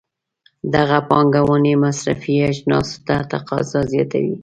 دغه پانګونې مصرفي اجناسو ته تقاضا زیاتوي.